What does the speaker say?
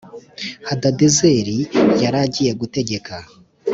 Hadadezeri yari agiye gutegeka